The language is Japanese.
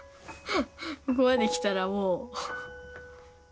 ここまできたらもう。